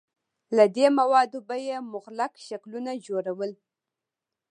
له دې موادو به یې مغلق شکلونه جوړول.